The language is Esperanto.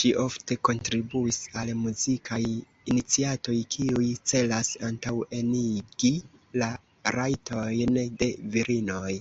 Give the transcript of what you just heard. Ŝi ofte kontribuis al muzikaj iniciatoj kiuj celas antaŭenigi la rajtojn de virinoj.